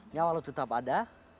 nyawa lo tetap ada